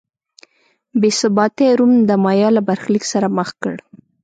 بې ثباتۍ روم د مایا له برخلیک سره مخ کړ.